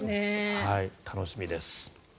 楽しみです。